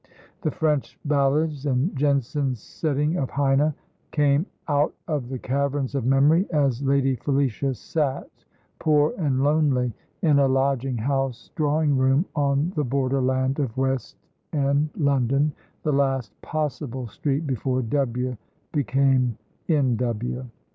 The French ballads, and Jensen's setting of Heine, came out of the caverns of memory as Lady Felicia sat, poor and lonely, in a lodging house drawing room, on the borderland of West End London, the last "possible" street, before W. became N.